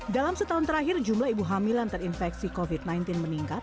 dalam setahun terakhir jumlah ibu hamil yang terinfeksi covid sembilan belas meningkat